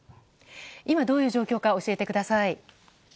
今、どういう状況か教えてください。